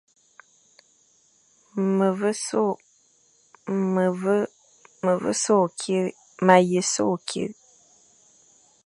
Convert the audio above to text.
Me ke so akiri,